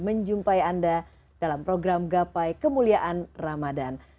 menjumpai anda dalam program gapai kemuliaan ramadan